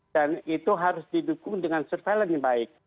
dan itu harus didukung dengan surveillance yang baik